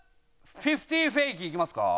フィフティーフェイキーいきますか？